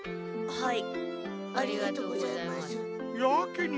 はい。